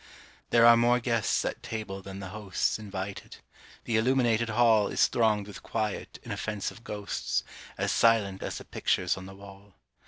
There are more guests at table, than the hosts Invited; the illuminated hall Is thronged with quiet, inoffensive ghosts, As silent as the pictures on the wall.